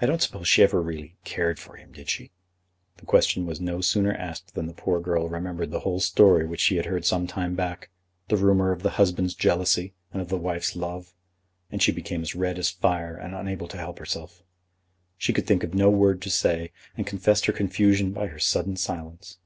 "I don't suppose she ever really cared for him; did she?" The question was no sooner asked than the poor girl remembered the whole story which she had heard some time back, the rumour of the husband's jealousy and of the wife's love, and she became as red as fire, and unable to help herself. She could think of no word to say, and confessed her confusion by her sudden silence.